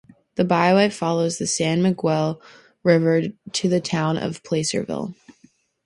The byway follows the San Miguel River to the town of Placerville.